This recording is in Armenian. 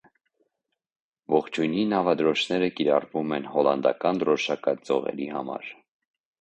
Ողջույնի նավադրոշները կիրառվում են հոլանդական դրոշակաձողերի համար։